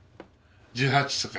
１８とか。